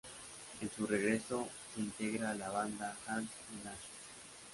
En su regreso se integra a la banda Hans Menacho.